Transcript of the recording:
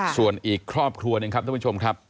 ส่วนอีกครอบครัวหนึ่งครับท่านผู้ชมครับ